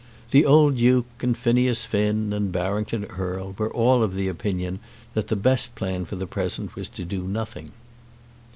The old Duke and Phineas Finn and Barrington Erle were all of opinion that the best plan for the present was to do nothing.